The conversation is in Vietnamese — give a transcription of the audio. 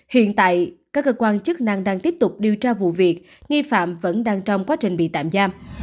hiện tại các cơ quan chức năng đang tiếp tục điều tra vụ việc nghi phạm vẫn đang trong quá trình bị tạm giam